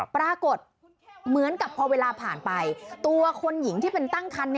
ปรากฏเหมือนกับพอเวลาผ่านไปตัวคนหญิงที่เป็นตั้งคัน